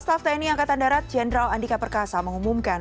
staf tni angkatan darat jenderal andika perkasa mengumumkan